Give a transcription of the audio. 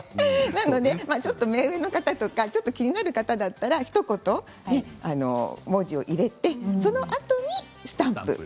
なので目上の方とか気になる方だったら、ひと言文字を入れてそのあとにスタンプ。